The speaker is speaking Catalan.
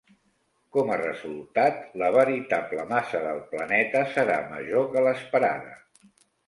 Com a resultat, La veritable massa del planeta serà major que l'esperada.